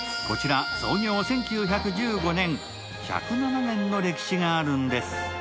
こちら創業１９１５年、１０７年の歴史があるんです。